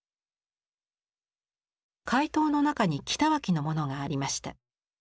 回答の中に北脇のものがありました。